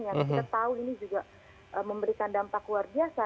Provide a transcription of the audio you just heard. yang kita tahu ini juga memberikan dampak luar biasa